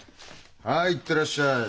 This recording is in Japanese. はい行ってらっしゃい。